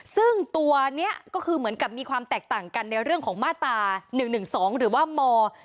ซึ่งตัวนี้ก็คือเหมือนกับมีความแตกต่างกันในเรื่องของมาตรา๑๑๒หรือว่าม๔